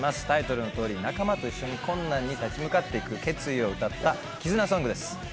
タイトルのとおり、仲間と一緒に困難に立ち向かっていく、決意を歌った絆ソングです。